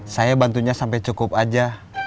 saya bantunya sampai cukup aja